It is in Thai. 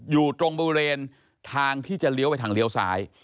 อยู่ตรงบริเวณทางที่จะเลี้ยวไปทางเลี้ยวซ้าย